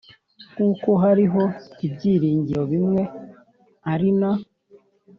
nk uko hariho ibyiringiro bimwe ari na